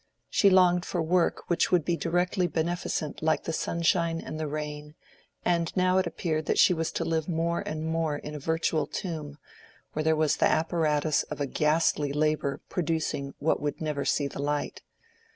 She longed for work which would be directly beneficent like the sunshine and the rain, and now it appeared that she was to live more and more in a virtual tomb, where there was the apparatus of a ghastly labor producing what would never see the light.